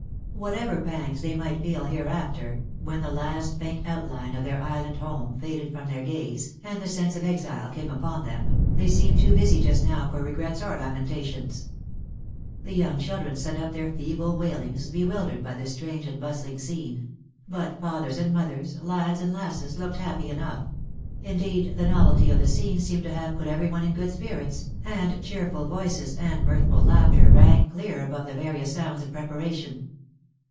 Whatever pangs they might feel hereafter, when the last faint outline of their island home faded from their gaze, and the sense of exile came upon them, they seemed too busy just now for regrets or lamenta tions. The young children sent up their feeble wailings, be wildered by the strange and bustling scene ; but fathers and mothers, lads and lasses, looked happy enough; indeed the novelty of the scene seemed to have put every one in good spirits, Lost for Love. 199 and cheerful voices and mirthful laughter rang clear above the various sounds of preparation.